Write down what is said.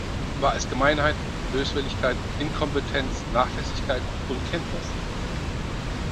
War es Gemeinheit, Böswilligkeit, Inkompetenz, Nachlässigkeit, Unkenntnis?